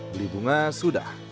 beli bunga sudah